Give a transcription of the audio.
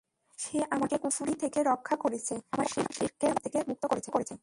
সে আমাকে কুফুরী থেকে রক্ষা করেছে ও আমার শিরকে জাহান্নাম থেকে মুক্ত করেছে।